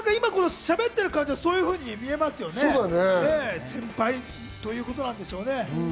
しゃべっている感じはそんなふうに聞こえますよね、先輩ということなんでしょうね。